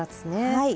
はい。